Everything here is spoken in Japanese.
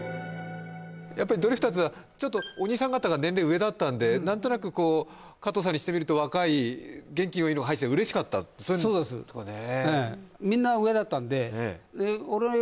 やっぱりドリフターズはちょっとお兄さん方が年齢上だったんで何となくこう加藤さんにしてみると若い元気のいいのが入ってきて嬉しかったそうですええそうですよね